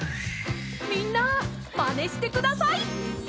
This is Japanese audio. みんなまねしてください！